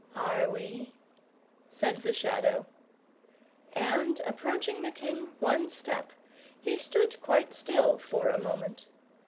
"Are we?" said the Shadow. And approaching the king one step, he stood quite still for a moment.